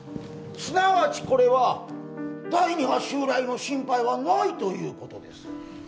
すなわちこれは第二波襲来の心配はないということです